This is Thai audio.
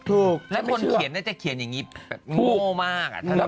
ถูกแล้วคนเขียนน่าจะเขียนอย่างนี้ง่วงมากอ่ะ